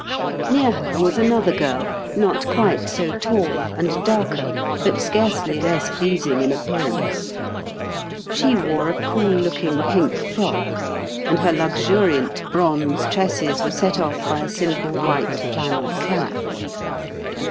Near her was another girl, not quite so tall, and darker, but scarcely less pleasing in appear ance. She wore a cool looking pink frock, and her luxuriant bronze tresses were set off by a simple white flannel cap.